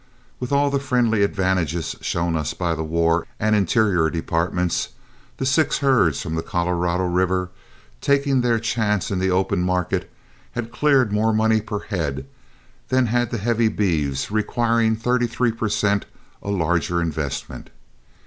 With all the friendly advantages shown us by the War and Interior departments, the six herds from the Colorado River, taking their chances in the open market, had cleared more money per head than had the heavy beeves requiring thirty three per cent a larger investment.